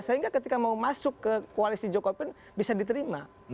sehingga ketika mau masuk ke koalisi jokowi pun bisa diterima